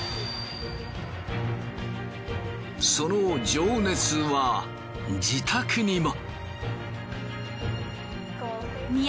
その情熱は自宅にも。